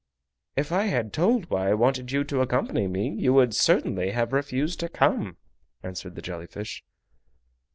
"If I had told why I wanted you to accompany me you would certainly have refused to come," answered the jelly fish.